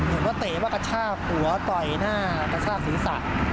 ผมก็เตะว่ากระชากหัวต่อยหน้ากระชากศีรษะ